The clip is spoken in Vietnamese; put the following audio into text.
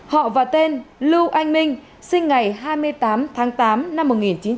họ và tên lưu anh minh sinh ngày hai mươi tám tháng tám năm một nghìn chín trăm bảy mươi